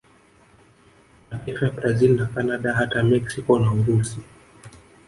Mataifa ya Brazil na Canada hata Mexico na Urusi